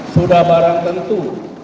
sudah barang tentu